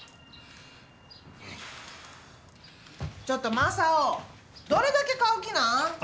ちょっと、マサオ、どれだけ買う気なん？